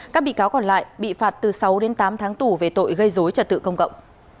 các bị cáo còn lại bị phạt từ sáu đến tám tháng tù về tội gây dối trật tự công cộng